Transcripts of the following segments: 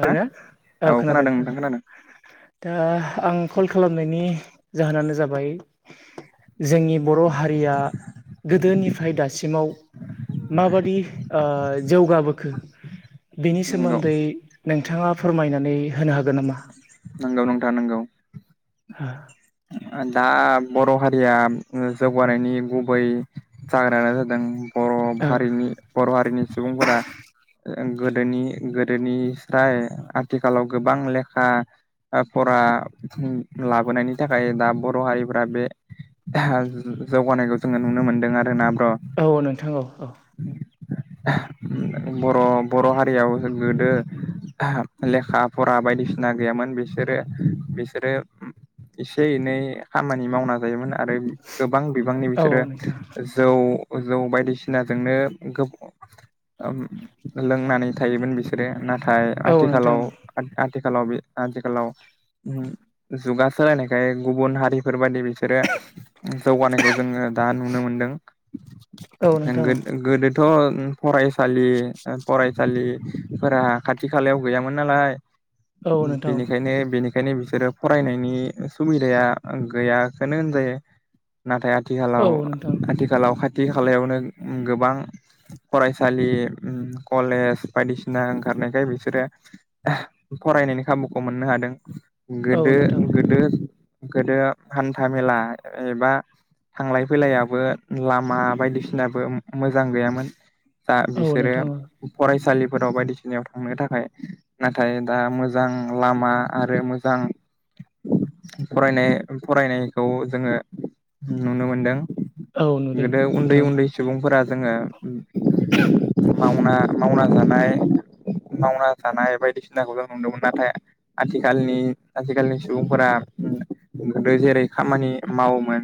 ओरैनो औ खोनादों खोनादों । दा आं कल खालामनायनि । जाहोनानो जाबाय जोंनि बर' हारिया गोदोनि । निफ्राय दासिमाव माबादि ओ जौगाबोखो । बेनि नंगौ सोमोन्दै नोंथाङा फोरमायनानै होनो हागोन नामा? नंगौ नंथाङा नोंगौ । दा बर' हारिया जौगानायनि गुबै जाग्रायानो जादों । बर' औ हारिनि बर' हारिनि सुबुंफोरा । गोदोनि गोदोनिफ्राय आथिखालाव गोबां लेखा फरा लाबोनायनि । थाखाय दा बर' हारिफोरा बे जौगानायखौ जोङो नुनो मोनदों आरोना । औ नोंथां औ औ । बर' बर' हारियाव जों गोदो । लेखा फरा बायदिसिना गैयामोन बिसोरो बिसोरो । एसे एनै खामानि मावना जायोमोन । आरो गोबां बिबांनि औ बिसोरो नोंथां जौ । जौ बायदिसिनाजोंनो गोब । लोंनानै थायोमोन बिसोरो नाथाय औ नोंथां । नाथाय आथिखालाव जुगा । सोलायनायखाय गुबुन हारिफोर बायदि बि बिसोरो जौगानायखौ जोङो दा नुनो मोनदों औ नोंथां गोद गोदो । थ' फरायसालि फराय । थरायसालिफोरा खाथि खालायाव गैयामोन नालाय औ नोंथां बेनिखायनो बेनि बेखायनो बिसोरो फरायनायनि सुबिदाया गैयाखौनो होनजायो नाथाय औ नोंथां आथिखालाव खाथि खालायावनो गोबां फरायसालि कलेज बायदिसिना ओंखारनायखाय बिसोरो फरायनायनि खाबुखौ मोननो हादों औ गोदो नोंथां गोदो गोदो हान्था मेला एबा थांलाय फैलायाबो लामा बायदिसिनाबो मोजां गैयामोन। दा औ बिसोरो नोंथां फरायसालि फोराव बायदिसिनायाव थांनो थाखाय नाथाय दा मोजां लामा आरो मोजां फरायनाय फरायनायखौ जोङो नुनो मोनदों। औ नुदों गोदो उन्दै नोंथां उन्दै सुबुंफोरा जोङो मावना मावना जानाय मावना जानाय बायदिसिनाखौ जों नुदोंमोन नाथाय आथिखालनि आथिखालनि सुबुंफोरा गोदो जेरै खामानि मावोमोन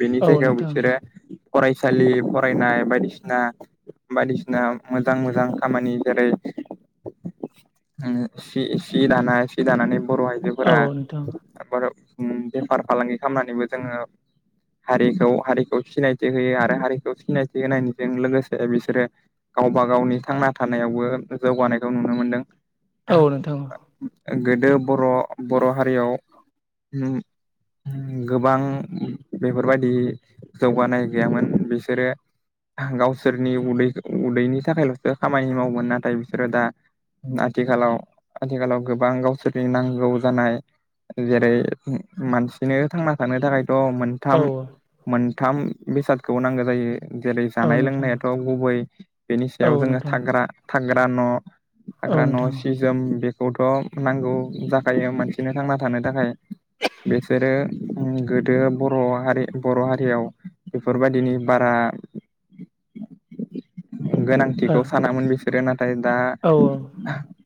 बेनि औ जायगायाव नोंथां बिसोरो फरायसालि फरायनाय बायदिसिना बायदिसिना मोजां मोजां खामानि जेरै सि सि दानाय सि दानानै औ नोंथां। [unintelligible] उम बेफार फालांगि खामनानैबो जोङो हारिखौ हारिखौ सिनायथि होयो आरो हारिखौ सिनायथि होनायनिजों लोगोसे बिसोरो गावबा गावनि थांना थानायावबो जौगानायखौ नुनो मोनदों। औ नोंथां। गोदो बर' बर' हारियाव उम। गोबां बेफोरबायदि जौगानाय गैयामोन बिसोरो गावसोरनि उदै उदैनि थाखायल'सो खामानि मावोमोन नाथाय बिसोरो दा आथिखालाव आथिखालाव गोबां गावसोरनि नांगौ जानाय जेरै मानसिनो थांना थानो थाखायथ' मोनथाम औ मोन थाम बेसादखौ नांगो जायो। जेरै औ जानाय नोंथां लोंनायाथ' गुबै बेनि औ सायाव जोङो नोंथां थाग्रा थाग्रा न' औ थाग्रा न' नोंथां सि जोम बेखौथ' नांगौ जाखायो मानसिनो थांना थानो थाखाय। बेसोरो गोदो बर' हारि बर' हारियाव बेफोरबायदिनि बारा औ गोनांथिखौ सानामोन बिसोरो नाथाय दा औ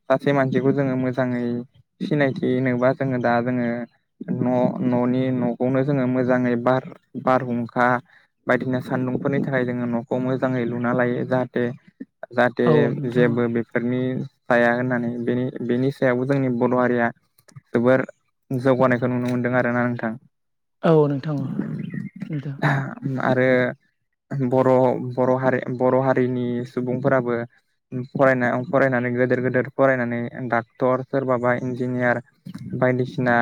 सासे मानसिखौ जोङो मोजाङै सिनायथिनोबा जोङो दा जोङो न' न'नि न'खौनो जोङो मोजाङै बार बारहुंखा बायदिना सान्दुंफोरनि थाखाय जोङो न'खौ मोजाङै लुना लायो जाहाथे जाहाथे औ नोंथां जेबो बेफोरनि थाया होननानै बेनि बेनि सायावबो जोंनि बर' हारिया जोबोर जौगानायखौ नुनो मोनदों आरोना नोंथां। औ नोंथां औ। नोंथां आरो बर' बर' हारि बर' हारिनि सुबुंफोराबो फरायना फरायनानै गोदोर गोदिर फरायनानै डा क्टर सोरबाबा इन्जिनियार बायदिसिना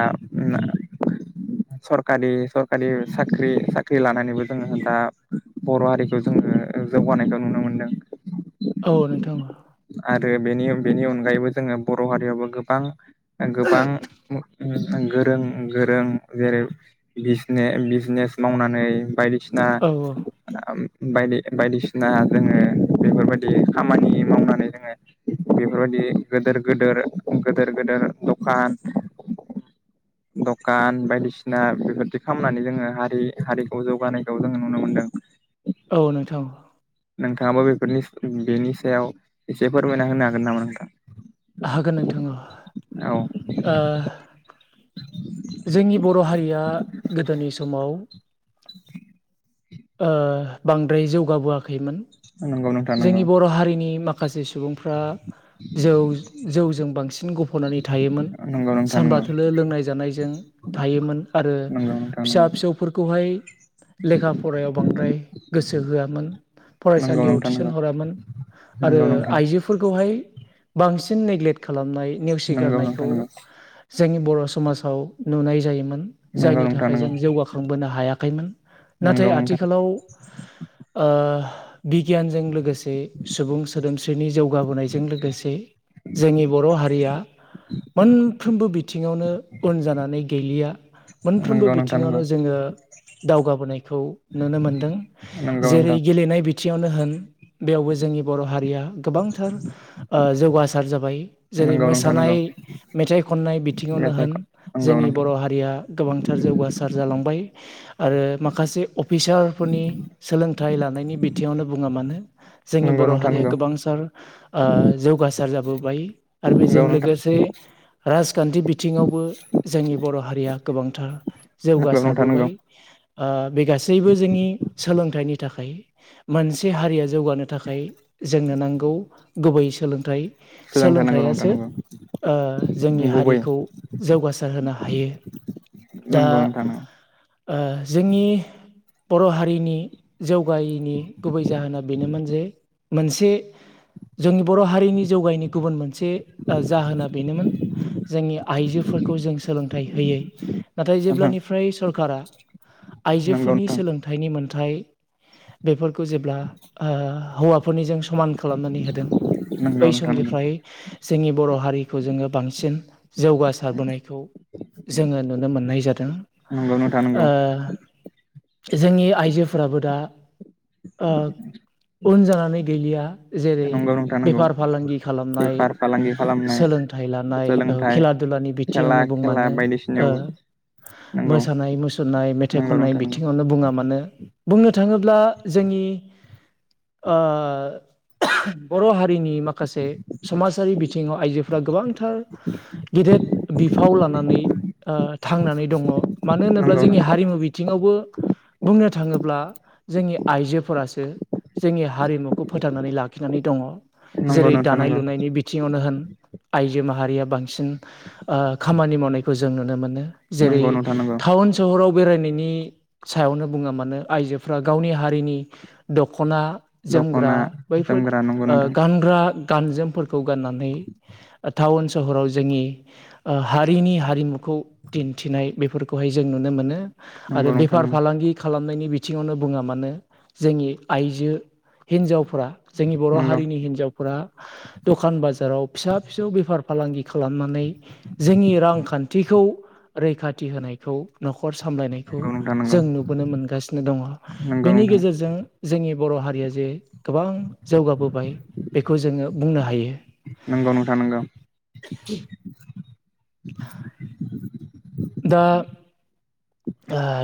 सरकारि सरकारि साख्रि साख्रि लानानैबो जोङो दा बर' हारिखौ जोङो जौगानायखौ नुनो मोनदों। औ नोंथां आरो बेनि बेनि अनगायैबो जोङो बर' हारियावबो गोबां गो बां गोरों गोरों जेरै बिजने बिजनेस मावनान बा नै बायदिसिना औ ओम बायदि बायदिसिना जोङो बेफोरबायदि खामानि मावनानै जोङो बेफोरबायदि गोदोर गोदोर गोदोर गोदोर दखान दखान बायदिसिना बेफोरदि खामनानै जोङो हारि हारिखौ जौगानायखौ जोङो नुनो मोनदों। औ नोंथां नोंथाङाबो बेफोरनि बेनि सायाव इसे फोरमायना होनो हागोन नामा नोंथां? हागोन नोंथां अ औ ओ जोंनि बर' हारिया गोदोनि समाव ओ बांद्राय जौगाबोआखैमोन नंगौ नोंथां नंगौ जोंनि बर' हारिनि मा खासे सुबुंफ्रा जौ जौजों बांसिन गफ'नानै थायोमोन। नंगौ नोंथां सानबा नंगौ थोलो लोंनाय जानायजों थायोमोन आरो फिसा फिसौफोरखौहाय लेखा फरायाव बांद्राय गोसो होआमोन। नंगौ फरायसालियाव नोंथां थिसन हरामोन आरो आइजोफोरखौहाय बांसिन नेग्लेक्ट खालामनाय नंगौ नंगौ नोंथां नेवसिगारनायखौ नंगौ जोंनि बर' समाजाव नुनाय जायोमोन। नंगौ जायनि नोंथां थाखाय जों जौगाखांबोनो हायाखैमोन। नाथाय नंगौ नोंथां आथिखालाव ओ बिगियानजों लोगोसे सुबुं सोदोमस्रिनि जौगाबोनायजों लोगोसे जोंनि बर' हारिया मोनफ्रोमबो बिथिङावनो उन जानानै गैलिया। मोनफ्रोमबो नंगौ नंगौ नोंथां नंगौ बिथिङावनो जोङो दावगाबोनाय खौ नुनो मोनदों नंगौ नोंथां नंगौ नोंथां नंगौ जेरै गेलेनाय बिथिङावनो होन बेयावबो जोंनि बर' हारिया गोबांथार ओ जौगासार जाबाय जेरै नंगौ नोंथां मोसानाय नंगौ मेथाइ खननाय बिथिङावनो होन मेथाइखौ नंगौ जोंनि नोंथां बर' हारिया गोबांथार जौगासार जालांबाय आरो माखासे अफिसारफोरनि सोलोंथाइ लानायनि बिथिङावनो बुङा मानो जोंनि नंगौ बर' नोंथां हारिया नंगौ गोबांसार जौगासार जाबोबाय आरो नंगौ बेजों नोंथां लोगोसे राजखान्थि बिथिङावबो जोंनि बर' हारिया गोबांथार नंगौ नोंथां नंगौ जौगासारबोबाय ओ बे गासैबो जोंनि सोलोंथाइनि थाखाय मोनसे हारिया जौगानो थाखाय जोंनो नांगौ गुबै सोलोंथाइ सोलों थानांगौ नोंथां सोलोंथाइयासो नंगौ ओ जोंनि गुबै हारिखौ जौगासार होनो हायो दा नंगौ नोंथां ओ जोंनि बर' हारिनि जौगायैनि गुबै जाहोना बेनोमोन जे मोनसे [inaudible] जोंनि बर' हारिनि जौगानायनि गुबुन मोनसे ओ जाहोना बेनोमोन जोंनि आइजोफोरखौ जों सोलोंथाइ होयै नाथाय नंगौ जेब्लानिफ्राय सरखारा नंगौ आइजोफोरनि नोंथां सोलोंथाइनि मोनथाय बेफोर खौ जेब्ला ओ हौवाफोरनिजों समान खालामनानै होदों नंगौ बै नोंथां समनिफ्राय जोंनि बर' हारि खौ जोङो बांसिन जौगासारबोनायखौ जोङो नुनो मोननाय जादों नंगौ नोंथां ओ नंगौ जोंनि आइजोफोराबो दा ओ उन जानानै गैलिया जेरै नंगौ नोंथां नंगौ बेफार फालांगि खालामनाय बेफार फालांगि खालामनाय सोलोंथाइ लानाय सोलोंथाइ खेला दु लानि खेला बिथिङावबो खेला मानो ओ बायदिसिनायावबो नंगौ मोसानाय मोस मुसुरनाय मेथाइ नंगौ खननाय नोंथां नंगौ बिथिङावनो बुङा मानो बुंनो थाङोब्ला जोंनि ओ [unintelligible] बर' हारिनि मा खासे समाजारि बिथिङाव आइजोफोरा गोबांथार गेदेद बिफाव लानानै ओ थांनानै दङ मानो होनोब्ला नंगौ जोंनि हारिमु बिथिङावबो बुंनो थाङोब्ला जोंनि आइजोफोरासो जोंनि हारिमुखौ फोथांनानै लाखिनानै दङ नंगौ जेरै नोंथां दानाय नंगौ लुनायनि बिथिङावनो होन आइजो माहारिया बांसिन खामानि मावनायखौ जों नुनो मोनो जेरै नंगौ नोंथां नंगौ टाउन सहराव बेरायनायनि सायावनो बुङा मानो आइजोफ्रा गावनि हारिनि दख'ना जोमग्रा दख'ना बैफोर जोमग्रा नंगौ ओ नोंथां गानग्रा। गानजोमफोरखौ गाननानै टाउन सहराव जोंनि ओ हारिनि हारिमुखौ। दिन्थिनाय बेफोरखौहाय जों नुनो मोनो आरो नंगौ नोंथां बेफार नंगौ फालांगि खालाम- खालामनायनि बिथिङावनो बुङा मानो जोंनि आइजो हिनजावफोरा जोंनि बर' नंगौ हारिनि हिन्जावफोरा [unintelligible] दखान बाजाराव फिसा फिसौ बेफार फालांगि खालामनानै जोंनि रांखान्थिखौ। रैखाथि होनाय! खौ न'खर सामलायनायखौ नंगौ नोंथां नंगौ जों नुबोनो मोनगासिनो दङ नंगौ बेनि नोंथां गेजेरजों जोंनि बर' हारिया जे गोबां जौगाबोबाय बेखौ जोङो बुंनो हायो नंगौ नोंथाङ नांगौ। दा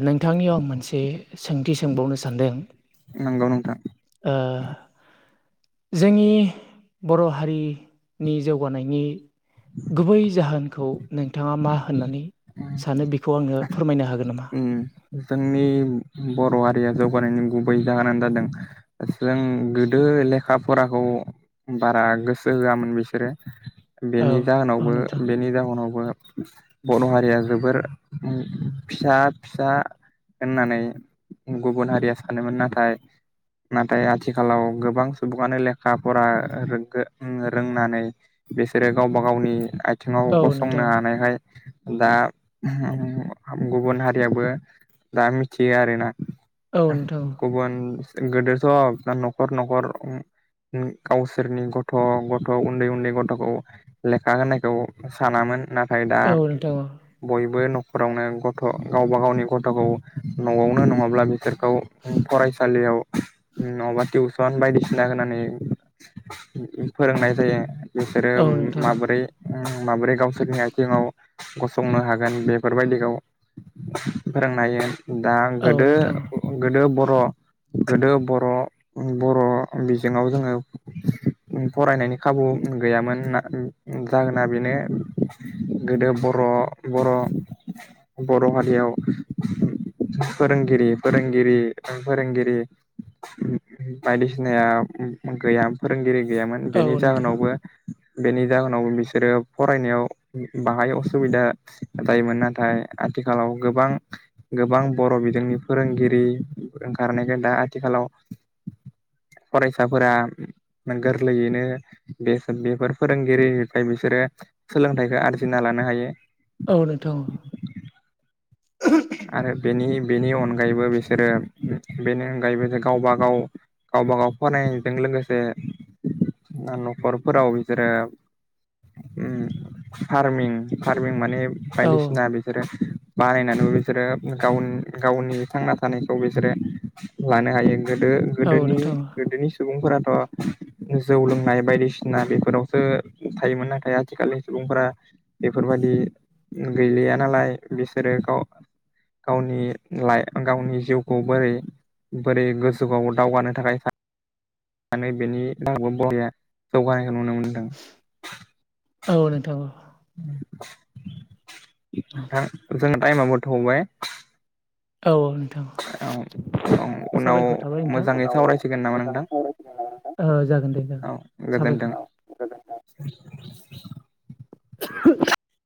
नोंथांनियाव आं मोनसे सोंथि सोंबावनो सानदों नांगौ नोथां। ओ जोंनि बर' हारिनि जौगानायनि। गुबै जाहोनखौ नोंथाङा मा होननानै। सानो बेखौ आङो फोरमायनो हागोन नामा उम जोंनि बर'। बर' हारिया जौगानायनि गुबै जाहोनानो जादों जों गोदो लेखा फराखौ बारा गोसो होआमोन बिसोरो औ बेनि औ जाहोनावबो नोंथां बेनि जाहोनावबो बर' हारिया जोबोर फिसा फिसा होननानै गुबुन हारिया सानोमोन नाथाय नाथाय आथिखालाव गोबां सुबुङानो लेखा फरा रोंनानै। बिसोरो गावबा गावनि आथिङाव औ गसंनो नोंथां हानायहाय दा। गुबुन हारियाबो दा मिथियो आरोना औ नोंथां गुबुन। गोदेरथ' न'खर न'खर। गावसोरनि गथ' गथ' उन्दै उन्दै गथ'खौ लेखा होनायखौ सानामोन नाथाय। ओमफ्राय दा औ नोंथां बयबो न'खरावनो। गथ' गावबा गावनि गथ'खौ न'आवनो नङाब्ला बिसोरखौ फरायसालियाव। नङाबा टिउसन बायदिसिना होनानै फोरोंनाय जायो। बिसोरो औ नोंथां माबोरै। माबोरै गावसोरनि आथिङाव गसंनो हागोन बेफोरबायदिखौ फोरोंनाय दा औ गोदो नोंथां गोदो बर' गोदो बर' बर' बिजोंङाव जोङो फरायनायनि खाबु गैयामोन जाहोना बेनो गोदो बर' बर' बर' हारियाव फोरोंगिरि फोरोंगिरि फोरोंगिरि। बायदिसिनाया गैया फोरोंगिरि गैयामोन औ बेनि नोंथां जाहोनावबो। बेनि जाहोनाव बिसोरो फरायनायाव बाहाय असुबिदा जायोमोन नाथाय। आथिखालाव गोबां गोबां बर' बिजोंनि फोरोंगिरि ओंखारनायखौ दा आथिखालाव। लाव फरायसाफोरा गोरलैयैनो बे बेफोर फोरोंगिरिनिफ्राय बिसोरो। सोलोंथाइखौ आरजिना लानो हायो। औ नोंथां। [inaudible] आरो बेनि बेनि अनगायैबो बिसोरो बेनि अनगायैबो गावबा गाव गावब गाव फरायनायजों लोगोसे न'खरफोराव बिसोरो उम फार्मिं फारमिं माने औ बायदिसिना बिसोरो बानायनानैबो बि बिसोरो गाव गावनि थांना थानायखौ बिसोरो लानो हायो। गोदो औ गोदोनि नोंथां गोदोनि सुबुंफोराथ' जौ लोंनाय बायदिसिना बेफोरावसो थायोमोन नाथाय आथिखालनि सुबुंफोरा बेफोरबायदि। बिदि गैलिया नालाय बिसोरो गाव गावनि लाइ गावनि जिउखौ बोरै बोरै गोसोखौ दावगानो थाखाय म बेनि रांबो बरया जौगानाय नुनो मोनदों औ नोंथां थां जों टाइमाबो थौबाय औ औ नोंथां औ औ उनाव साबायखर थाबाय मोजाङै सावरायसिगोन नामा नोंथां ओ जागोन दे जागोन औ गोजोन्थों। साबायखर [inaudible] [unintelligible]